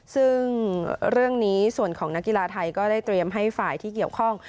ซึ่งเรื่องนี้ส่วนของนักกีฬาไทยก็ได้เตรียมให้ฝ่ายที่เกี่ยวข้อง